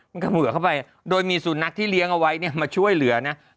มันเขมือเข้าไปโดยมีสุนัขที่เลี้ยงเอาไว้เนี่ยมาช่วยเหลือนะ